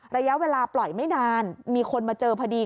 ระยะเวลาปล่อยไม่นานมีคนมาเจอพอดี